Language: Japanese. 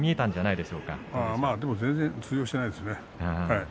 いやあ全然、通用していないですね。